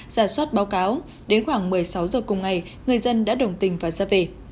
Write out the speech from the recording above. giả soát báo cáo đến khoảng một mươi sáu giờ cùng ngày người dân đã đồng tình và ra về